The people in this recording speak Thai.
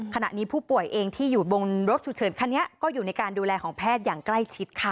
ขณะนี้ผู้ป่วยเองที่อยู่บนรถฉุกเฉินคันนี้ก็อยู่ในการดูแลของแพทย์อย่างใกล้ชิดค่ะ